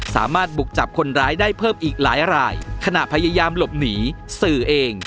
สามารถบุกจับคนร้ายได้เพิ่มอีกหลายรายขณะพยายามหลบหนีสื่อเอง